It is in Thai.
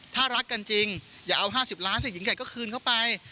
ถ้ารักกันจริงอย่าเอา๕๐ล้านสิหญิงไก่ก็คืนเข้าไป